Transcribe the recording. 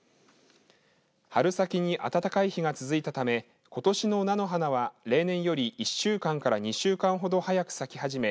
春先に暖かい日が続いたためことしの菜の花は例年より１週間から２週間ほど早く咲き始め